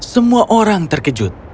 semua orang terkejut